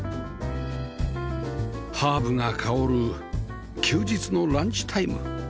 ハーブが香る休日のランチタイム